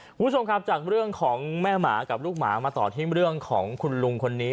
คุณผู้ชมครับจากเรื่องของแม่หมากับลูกหมามาต่อที่เรื่องของคุณลุงคนนี้